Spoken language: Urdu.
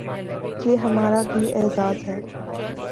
یہ ہمارا ہی اعزاز ہے۔